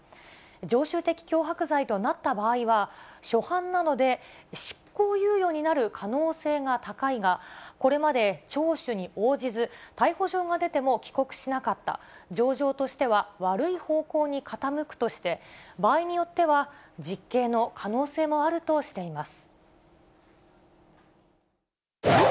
常習的脅迫罪となった場合は、初犯なので、執行猶予になる可能性が高いが、これまで聴取に応じず、逮捕状が出ても帰国しなかった、情状としては悪い方向に傾くとして、場合によっては実刑の可能性もあるとしています。